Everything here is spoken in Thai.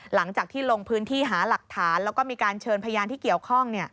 หลังจากที่ลงพื้นที่หาหลักฐานแล้วก็มีการเชิญพยานที่เกี่ยวข้อง